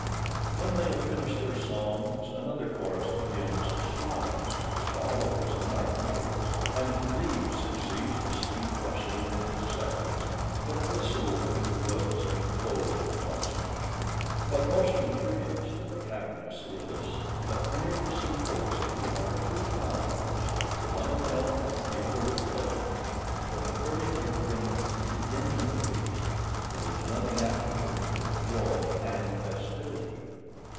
When they have finished their songs, another chorus begins of swans, {122a} swallows, and nightingales, and to these succeeds the sweet rustling of the zephyrs, that whistle through the woods and close the concert. What most contributes to their happiness is, that near the symposium are two fountains, the one of milk, the other of pleasure; from the first they drink at the beginning of the feast; there is nothing afterwards but joy and festivity.